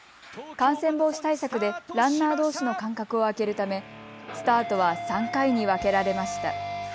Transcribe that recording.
感染防止対策でランナーどうしの間隔を空けるためスタートは３回に分けられました。